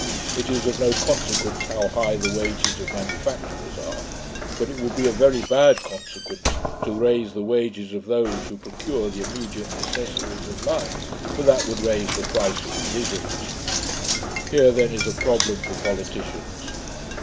It is of no consequence how high the wages of manufacturers are; but it would be of very bad consequence to raise the wages of those who procure the immediate necessaries of life, for that would raise the price of provisions. Here then is a problem for politicians.